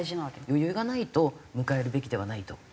余裕がないと迎えるべきではないと。